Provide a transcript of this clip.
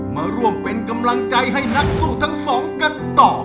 มาร่วมเป็นกำลังใจให้นักสู้ทั้งสองกันต่อ